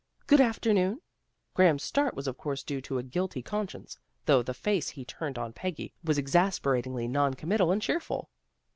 " Good afternoon." Graham's start was of course due to a guilty conscience, though the face he turned on Peggy was exasperatingly non committal and cheerful.